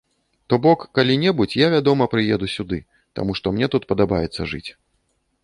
То бок калі-небудзь я вядома прыеду сюды, таму што мне тут падабаецца жыць.